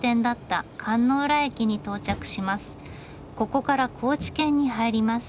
ここから高知県に入ります。